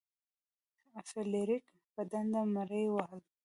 فلیریک په ډنډه مړي وهل.